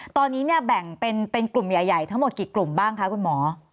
ตอนนี้เนี่ยแบ่งเป็นกลุ่มใหญ่ทั้งหมดกี่กลุ่มบ้างคะคุณหมอ